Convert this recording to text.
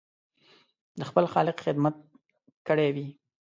د خپل خالق خدمت کړی وي.